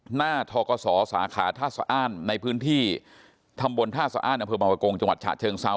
หน้าทกศสาขาท่าสะอ้านในพื้นที่ตำบลท่าสะอ้านอำเภอบางประกงจังหวัดฉะเชิงเซา